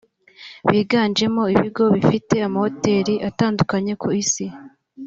biganjemo ibigo ifite amahoteli atandukanye ku isi